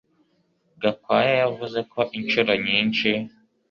Gakwaya yavuze ko inshuro nyinshi